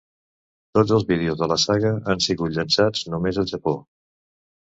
Tots els videojocs de la saga han sigut llançats només al Japó.